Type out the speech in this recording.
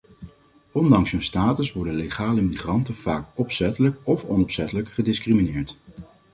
Ondanks hun status worden legale migranten vaak opzettelijk of onopzettelijk gediscrimineerd.